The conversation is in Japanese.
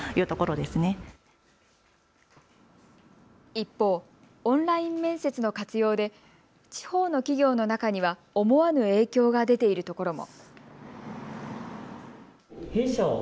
一方、オンライン面接の活用で地方の企業の中には思わぬ影響が出ているところも。